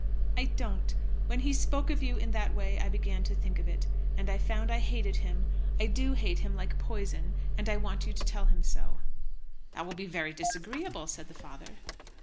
"I don't. When he spoke of you in that way I began to think of it, and I found I hated him. I do hate him like poison, and I want you to tell him so." "That will be very disagreeable," said the father.